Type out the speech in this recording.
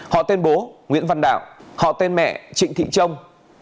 họ tên bố nguyễn văn đạo họ tên mẹ trịnh thị trông